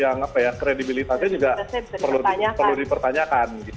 beli blogspot yang kredibilisasi juga perlu dipertanyakan